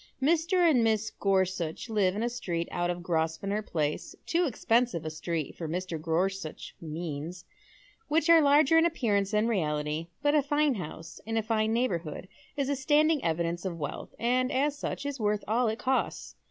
Mr. and Mrs. Gorsuoh live in a street ont of Grosvenor Place, too expensive a street for Mr. Gorsuch's means, which are larger in appearance than reality ; but a fine house in a fine neighbour hood is a standing evidence of wealth, and as such is worth all it costs.